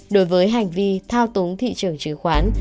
đối với hành vi thao túng thị trường chứng khoán